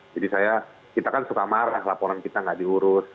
jadi saya kita kan suka marah laporan kita nggak diurus